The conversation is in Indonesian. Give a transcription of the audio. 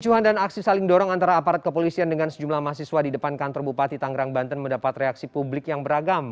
kecuhan dan aksi saling dorong antara aparat kepolisian dengan sejumlah mahasiswa di depan kantor bupati tanggerang banten mendapat reaksi publik yang beragam